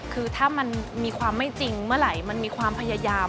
คือถ้ามันมีความไม่จริงเมื่อไหร่มันมีความพยายาม